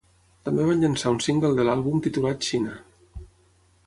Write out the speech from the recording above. També van llançar un single de l'àlbum titulat "Xina".